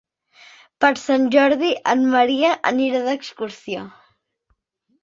Per Sant Jordi en Maria anirà d'excursió.